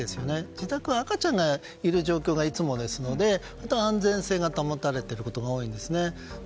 自宅は赤ちゃんがいる状況がいつもですのであと安全性が保たれていることが多いんですね。